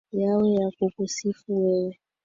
yawe ya kukusifu wewe